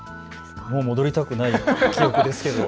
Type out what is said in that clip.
もう戻りたくない記憶ですけど。